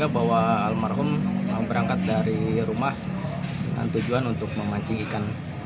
saya di rumah dengan tujuan untuk memancing ikan